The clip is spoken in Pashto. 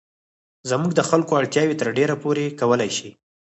زموږ د خلکو اړتیاوې تر ډېره پوره کولای شي.